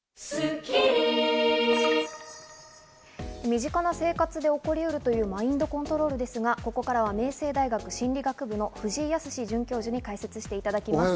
身近な生活で起こりうるというマインドコントロールですが、ここからは明星大学心理学部の藤井靖准教授に解説していただきます。